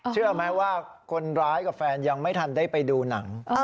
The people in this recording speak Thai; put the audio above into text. เชื่อไหมว่าคนร้ายกับแฟนยังไม่ทันได้ไปดูหนัง